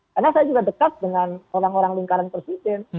karena saya juga dekat dengan orang orang lingkaran persisir